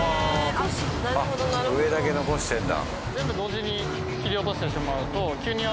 あっ上だけ残してるんだ。